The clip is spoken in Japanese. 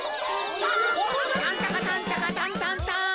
タンタカタンタカタンタンタン。